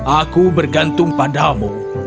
aku bergantung padamu